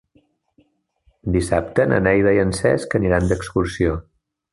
Dissabte na Neida i en Cesc aniran d'excursió.